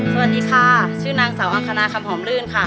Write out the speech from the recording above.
สวัสดีค่ะชื่อนางสาวอังคณาคำหอมลื่นค่ะ